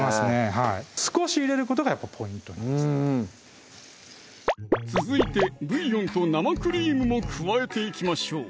はい少し入れることがポイント続いてブイヨンと生クリームも加えていきましょう